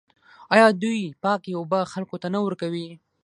آیا دوی پاکې اوبه خلکو ته نه ورکوي؟